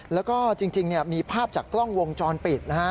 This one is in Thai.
แล้วก็จริงมีภาพจากกล้องวงจรปิดนะฮะ